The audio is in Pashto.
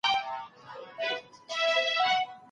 ویره د ځان پېژندني لپاره یو فرصت دی.